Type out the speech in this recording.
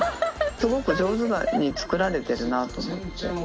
すごく上手に作られてるなと思って。